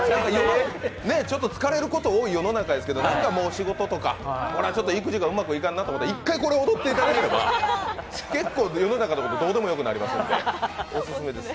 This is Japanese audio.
疲れること多い世の中ですけどなんかもう、仕事とか育児がうまくいかんなと思ったら一回これ踊っていただければ結構世の中のことどうでもよくなりますのでオススメです。